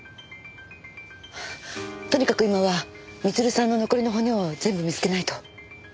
とにかく今は光留さんの残りの骨を全部見つけないと。